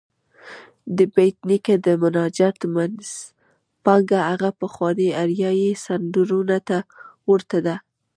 د بېټ نیکه د مناجات منځپانګه هغه پخوانيو اریايي سندرو ته ورته ده.